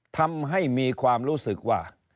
ทำให้มีความรู้สึกว่า